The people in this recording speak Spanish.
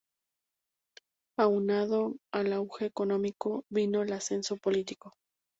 Aunado al auge económico, vino el ascenso político.